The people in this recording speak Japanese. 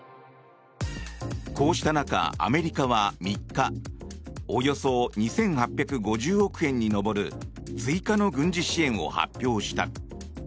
こうした中、アメリカは３日およそ２８５０億円に上る追加の軍事支援を発表した。